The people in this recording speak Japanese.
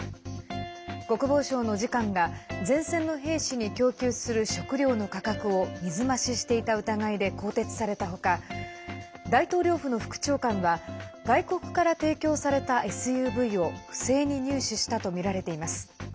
国防省の次官が、前線の兵士に供給する食料の価格を水増ししていた疑いで更迭された他大統領府の副長官は外国から提供されたＳＵＶを不正に入手したとみられています。